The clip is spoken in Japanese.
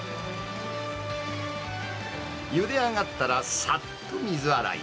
ゆで上がったら、さっと水洗い。